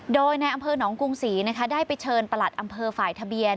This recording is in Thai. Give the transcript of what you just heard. โดยในอำเภอหนองกรุงศรีนะคะได้ไปเชิญประหลัดอำเภอฝ่ายทะเบียน